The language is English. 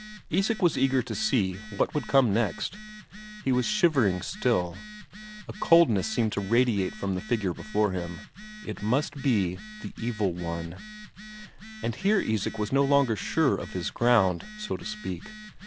Isak was eager to see what would come next; he was shivering still; a coldness seemed to radiate from the figure before him it must be the Evil One! And here Isak was no longer sure of his ground, so to speak.